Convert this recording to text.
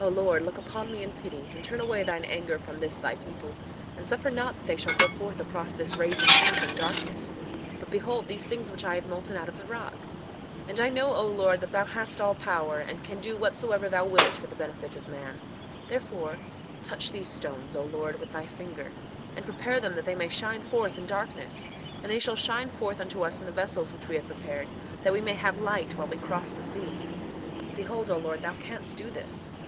O Lord, look upon me in pity, and turn away thine anger from this thy people, and suffer not that they shall go forth across this raging deep in darkness; but behold these things which I have molten out of the rock. 3:4 And I know, O Lord, that thou hast all power, and can do whatsoever thou wilt for the benefit of man; therefore touch these stones, O Lord, with thy finger, and prepare them that they may shine forth in darkness; and they shall shine forth unto us in the vessels which we have prepared, that we may have light while we shall cross the sea. 3:5 Behold, O Lord, thou canst do this.